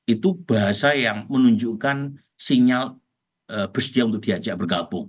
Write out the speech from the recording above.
itu bahasa yang menunjukkan sinyal bersedia untuk diajak bergabung